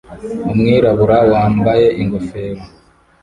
Umwirabura wambaye ingofero